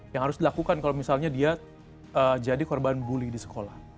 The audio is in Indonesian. yang harus dilakukan kalau misalnya dia jadi korban bully di sekolah